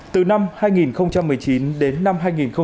từ năm hai nghìn một mươi chín đến năm hai nghìn hai mươi